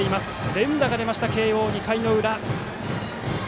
連打が出ました慶応、２回の裏。